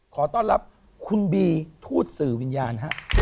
ขอต้อนรับคุณบีทูตสื่อวิญญาณฮะ